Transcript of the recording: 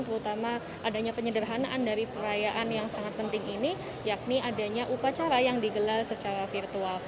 terutama adanya penyederhanaan dari perayaan yang sangat penting ini yakni adanya upacara yang digelar secara virtual